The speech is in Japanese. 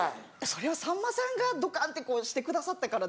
それはさんまさんがドカンってこうしてくださったからで。